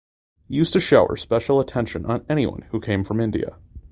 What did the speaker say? He used to shower special attention on anyone who came from India.